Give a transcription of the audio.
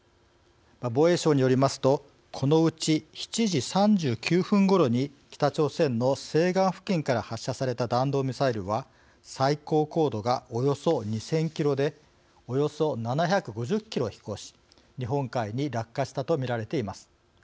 防衛省によりますとこのうち７時３９分ごろに北朝鮮の西岸付近から発射された弾道ミサイルは最高高度がおよそ２０００キロでおよそ７５０キロ飛行し日本海に落下したと見られています。